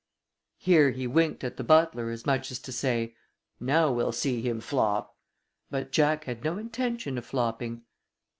Here he winked at the butler as much as to say, "Now we'll see him flop." But Jack had no intention of flopping.